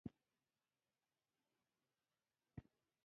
پوخ حافظه تاریخ نه هېروي